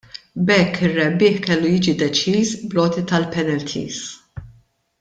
B'hekk ir-rebbieħ kellu jiġi deċiż bl-għoti tal-penalties.